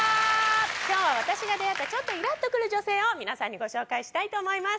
今日は私が出会ったちょっとイラっと来る女性を皆さんにご紹介したいと思います